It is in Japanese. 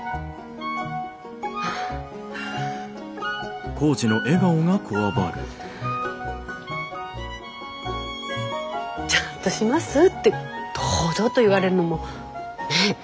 ああ。ちゃんとしますって堂々と言われんのもねえ